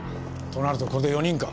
となるとこれで４人か。